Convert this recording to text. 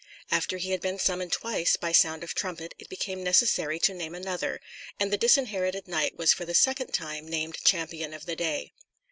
After he had been summoned twice by sound of trumpet, it became necessary to name another; and the Disinherited Knight was for the second time named champion of the day.